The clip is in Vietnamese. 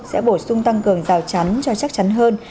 sẽ bổ sung tăng cường rào chắn cho chắc chắn hơn